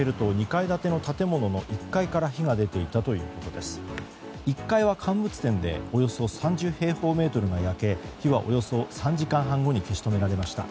１階は乾物店でおよそ３０平方メートルが焼け火はおよそ３時間半後に消し止められました。